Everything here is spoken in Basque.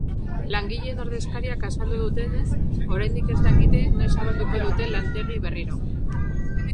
Langileen ordezkariak azaldu duenez, oraindik ez dakite noiz zabalduko dute lantegia berriro.